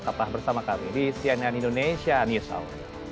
tetaplah bersama kami di cnn indonesia news hour